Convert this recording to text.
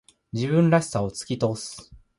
自分らしさを突き通す。